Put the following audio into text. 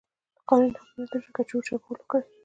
قانون حاکميت نشتون کې چور چپاول وکړي.